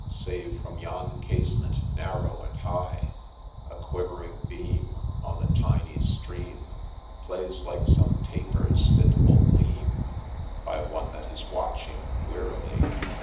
Save, from yon casement, narrow and high, A quivering beam On the tiny stream Plays, like some taper's fitful gleam By one that is watching wearily.